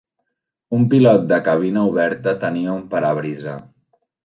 Un pilot de cabina oberta tenia un parabrisa.